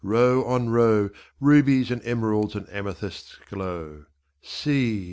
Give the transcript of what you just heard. row on row Rubies and emeralds and amethysts glow. See !